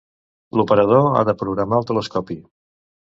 L'operador ha de programar el telescopi.